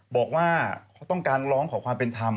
บอกว่าเขาต้องการร้องขอความเป็นธรรม